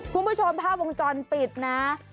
คุณผู้ชมภาพวงจรปิดนะ